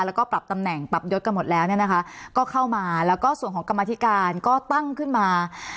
แล้วก็ปรับตำแหน่งปรับยศกันหมดแล้วเนี่ยนะคะก็เข้ามาแล้วก็ส่วนของกรรมธิการก็ตั้งขึ้นมา